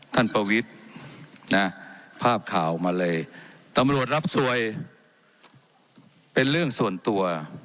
ประวิทย์นะภาพข่าวมาเลยตำรวจรับสวยเป็นเรื่องส่วนตัว